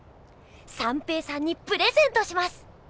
三平さんにプレゼントします！